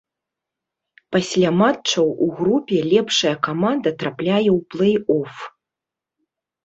Пасля матчаў у групе лепшая каманда трапляе ў плэй-оф.